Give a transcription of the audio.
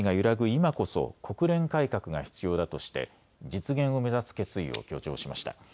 今こそ国連改革が必要だとして実現を目指す決意を強調しました。